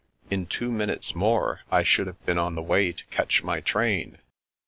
In two minutes more I should have been on the way to catch my train."